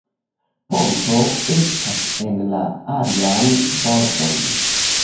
Ponto estas en la alian bordon.